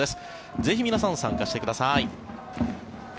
ぜひ皆さん参加してください。